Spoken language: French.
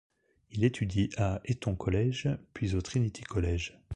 Il étudie à Eton College, puis au Trinity College.